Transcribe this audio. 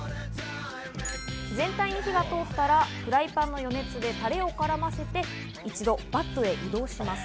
全体に火が通ったら、フライパンの余熱でタレを絡ませて、一度、バットへ移動します。